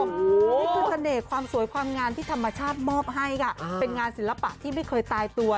นี่คือเสน่ห์ความสวยความงามที่ธรรมชาติมอบให้ค่ะเป็นงานศิลปะที่ไม่เคยตายตัว